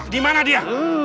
di mana dia